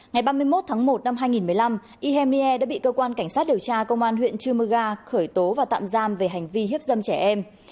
ngày ba mươi một tháng một năm hai nghìn một mươi năm ihmie đã bị cơ quan cảnh sát điều tra công an huyện chư mơ ga khởi tố và tạm giam về hành vi hiếp dâm trẻ em